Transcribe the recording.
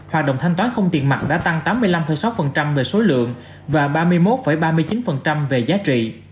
hoạt động thanh toán không tiền mặt đã tăng tám mươi năm sáu về số lượng và ba mươi một ba mươi chín về giá trị